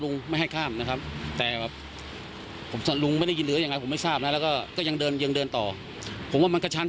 นับประโยชน์